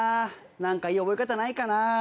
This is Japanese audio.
なんかいい覚え方ないかな？